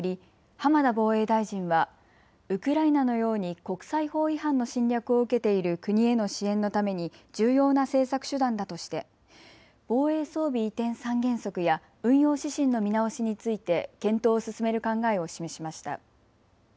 浜田防衛大臣はウクライナのように国際法違反の侵略を受けている国への支援のために重要な政策手段だとして防衛装備移転三原則や運用指針の見直しについて検討を進める考えを示しました。